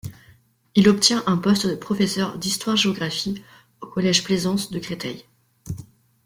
Il obtient un poste de professeur d’histoire-géographie au collège Plaisance de Créteil.